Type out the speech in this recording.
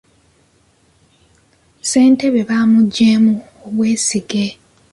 Ssentebe baamuggyemu obwesige.